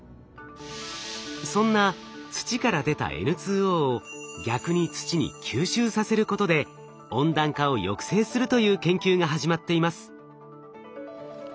そんな土から出たＮＯを逆に土に吸収させることで温暖化を抑制するという研究が始まっています。